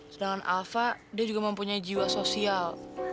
sedangkan alfa dia juga mempunyai jiwa sosial